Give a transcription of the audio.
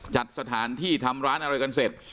จัดสถานที่ทำร้านอะไรกันเสร็จ